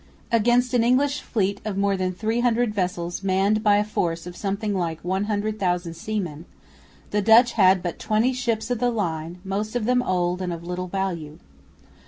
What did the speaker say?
Against an English fleet of more than 300 vessels manned by a force of something like 100,000 seamen, the Dutch had but twenty ships of the line, most of them old and of little value.